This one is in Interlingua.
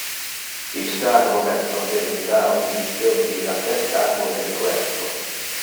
Iste arboretto devenira un vice un gigantesc arbore de querco.